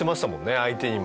相手にも。